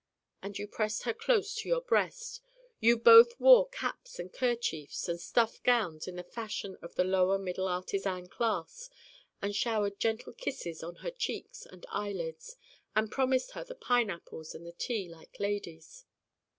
And you pressed her close to your breast you both wore caps and kerchiefs and stuff gowns in the fashion of the lower middle artisan class and showered gentle kisses on her cheeks and eyelids, and promised her the pineapples and the tea like ladies.